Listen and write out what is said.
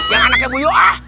yang anaknya bu yoah